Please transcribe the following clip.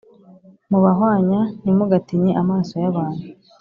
Mubahwanya ntimugatinye amaso y abantu